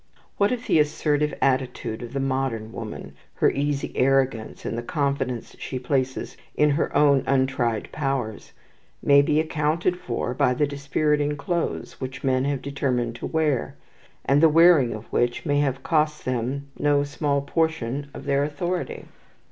What if the assertive attitude of the modern woman, her easy arrogance, and the confidence she places in her own untried powers, may be accounted for by the dispiriting clothes which men have determined to wear, and the wearing of which may have cost them no small portion of their authority?